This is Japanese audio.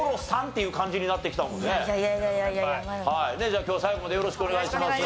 じゃあ今日最後までよろしくお願いします。